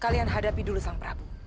kalian hadapi dulu sang prabu